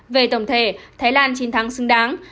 về tổng thể thái lan chiến thắng xứng đáng